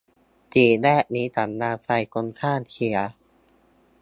สี่แยกนี้สัญญาณไฟคนข้ามเสีย